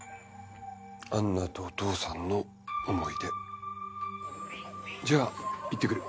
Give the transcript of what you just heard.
アンナとお父さんの思い出じゃあ行って来る